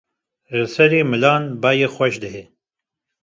Li serê milan bayê xweş dihê.